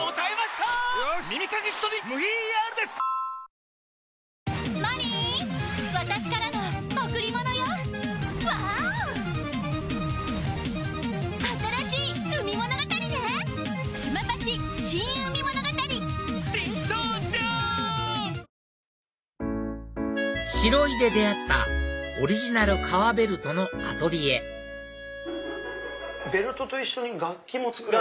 これはステキですね白井で出会ったオリジナル革ベルトのアトリエベルトと一緒に楽器も作られてる。